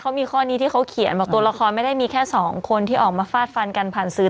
เขามีข้อนี้ที่เขาเขียนบอกตัวละครไม่ได้มีแค่สองคนที่ออกมาฟาดฟันกันผ่านสื่อ